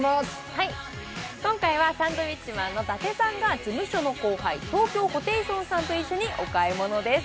今回はサンドウィッチマンの伊達さんが事務所の後輩、東京ホテイソンさんと一緒にお買い物です。